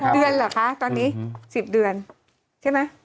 เดือนเหรอคะตอนนี้๑๐เดือนใช่ไหม